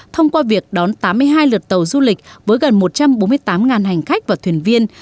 thông qua việc đón tám mươi hai lượt tàu du lịch với gần một trăm bốn mươi tám hành khách và thuyền viên